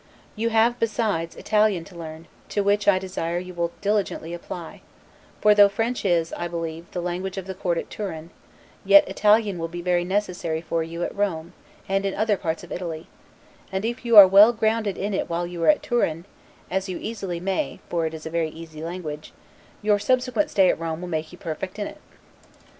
You have, besides, Italian to learn, to which I desire you will diligently apply; for though French is, I believe, the language of the court at Turin, yet Italian will be very necessary for you at Rome, and in other parts of Italy; and if you are well grounded in it while you are at Turin (as you easily may, for it is a very easy language), your subsequent stay at Rome will make you perfect in it.